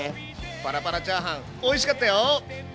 パラパラチャーハンおいしかったよ！